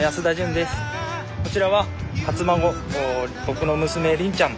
こちらは初孫僕の娘凛ちゃん。